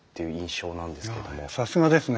さすがですね。